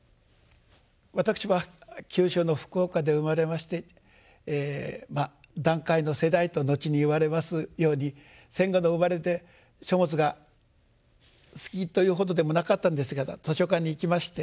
私は九州の福岡で生まれまして団塊の世代と後に言われますように戦後の生まれで書物が好きというほどでもなかったんですが図書館に行きまして。